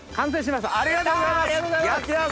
やったありがとうございます！